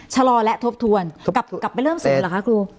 ชะลอและทบทวนกลับไปเริ่มศึกเหรอคะครู